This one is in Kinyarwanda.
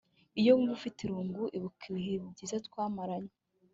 iyo wumva ufite irungu, ibuka ibihe byiza twamaranye